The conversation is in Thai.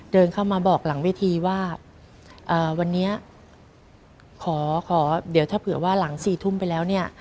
เดินเข้ามาบอกหลังเวทีว่าวันนี้ขอขอเดี๋ยวถ้าเผื่อว่าหลัง๔ทุ่มไปแล้วเนี่ย